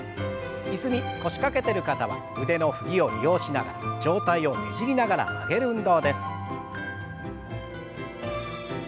椅子に腰掛けてる方は腕の振りを利用しながら上体をねじりながら曲げる運動です。